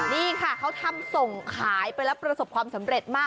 นี่ค่ะเขาทำส่งขายไปแล้วประสบความสำเร็จมาก